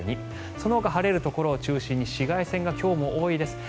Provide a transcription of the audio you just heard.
そのほか晴れるところを中心に紫外線が今日も多いです。